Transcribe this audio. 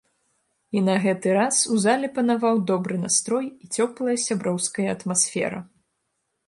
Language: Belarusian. І на гэты раз у зале панаваў добры настрой і цёплая сяброўская атмасфера.